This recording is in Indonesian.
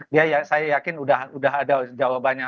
dia saya yakin sudah ada jawabannya